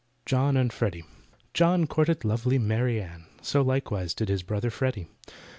JOHN AND FREDDY JOHN courted lovely MARY ANN, So likewise did his brother, FREDDY.